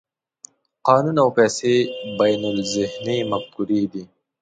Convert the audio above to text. قانون او پیسې بینالذهني مفکورې دي.